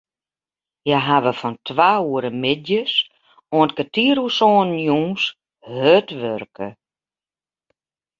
Hja hawwe fan twa oere middeis oant kertier oer sânen jûns hurd wurke.